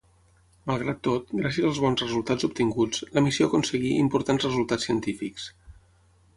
Malgrat tot, gràcies als bons resultats obtinguts, la missió aconseguí importants resultats científics.